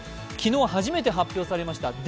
昨日初めて発表されました